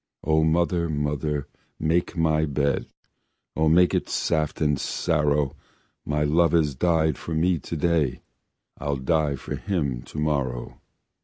"O mother, mother, make my bed! O make it saft and narrow: My love has died for me today, I'll die for him to morrow."